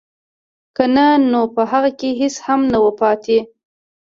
که نه نو په هغه کې هېڅ هم نه وو پاتې